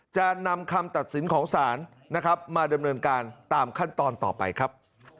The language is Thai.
จะนำคำตัดสินของศาลนะครับมาดำเนินการตามขั้นตอนต่อไปครับ